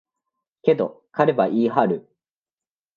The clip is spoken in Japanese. けど、彼は言い張る。